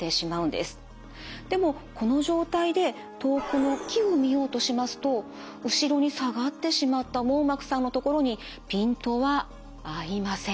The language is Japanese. でもこの状態で遠くの木を見ようとしますと後ろに下がってしまった網膜さんのところにピントは合いません。